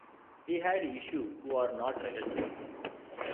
He had issue who are not recognized.